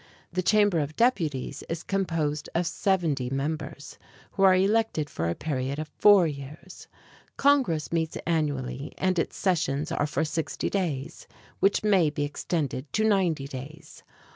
The Chamber of Deputies is composed of seventy members, who are elected for a period of four years. Congress meets annually and its sessions are for sixty days, which may be extended to ninety days.